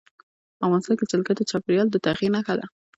افغانستان کې جلګه د چاپېریال د تغیر نښه ده.